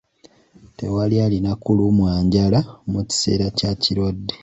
Tewali alina kulumwa njala mu kiseera kya kirwadde.